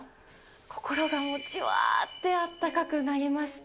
心がもう、じわーってあったかくなりまして。